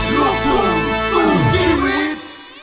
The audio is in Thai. ลูกหนูสู้ชีวิต